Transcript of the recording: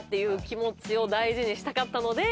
気持ちを大事にしたかったので。